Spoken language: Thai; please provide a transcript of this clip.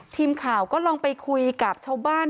ทีมข่าวก็ลองไปคุยกับชาวบ้าน